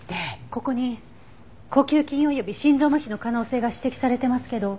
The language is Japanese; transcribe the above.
ここに呼吸筋および心臓麻痺の可能性が指摘されてますけど。